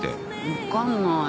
分かんない。